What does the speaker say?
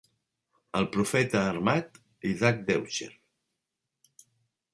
"El profeta armat", Isaac Deutscher.